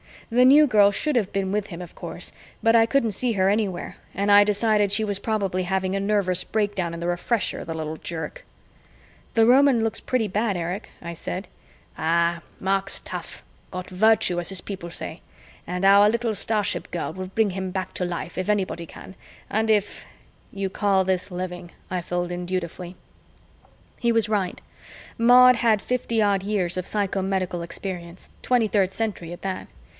The New Girl should have been with him, of course, but I couldn't see her anywhere and I decided she was probably having a nervous breakdown in the Refresher, the little jerk. "The Roman looks pretty bad, Erich," I said. "Ah, Mark's tough. Got virtue, as his people say. And our little starship girl will bring him back to life if anybody can and if ...""... you call this living," I filled in dutifully. He was right. Maud had fifty odd years of psychomedical experience, 23rd Century at that.